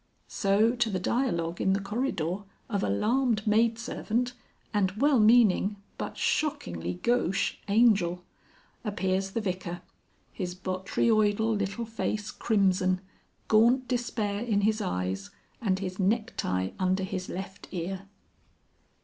So to the dialogue in the corridor of alarmed maid servant and well meaning (but shockingly gauche) Angel appears the Vicar, his botryoidal little face crimson, gaunt despair in his eyes, and his necktie under his left ear.